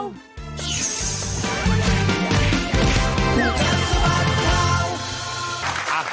คู่กัดสมัดข่าว